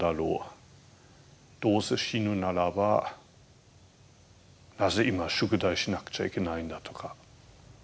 どうせ死ぬならばなぜ今宿題しなくちゃいけないんだとか。